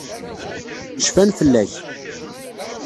Cfan fell-ak.